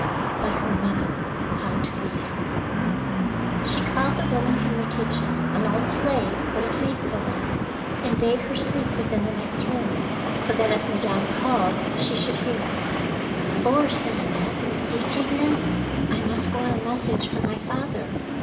But her mother — how to leave her ? 210 THE PEAKL NECKLACE She called the woman from the kitchen, an old slave but a faithful one, and bade her sleep within the next room, so that if Madame called she should hear her. "For,"' said Annette, "see, Tignon, I must go on a message for my father.